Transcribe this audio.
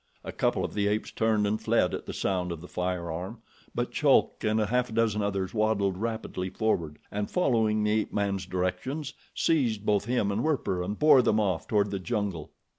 A couple of the apes turned and fled at the sound of the firearm; but Chulk and a half dozen others waddled rapidly forward, and, following the ape man's directions, seized both him and Werper and bore them off toward the jungle.